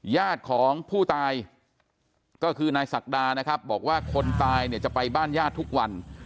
ญาติของผู้ตายก็คือนายศักดานะครับบอกว่าคนตายเนี่ยจะไปบ้านญาติทุกวัน